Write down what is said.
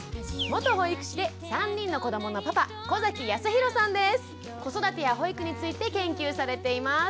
元保育士で３人の子どものパパ子育てや保育について研究されています。